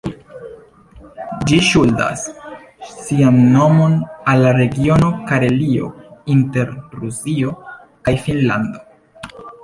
Ĝi ŝuldas sian nomon al la regiono Karelio inter Rusio kaj Finnlando.